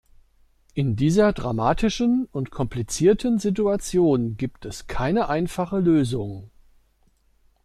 In dieser dramatischen und komplizierten Situation gibt es keine einfache Lösung.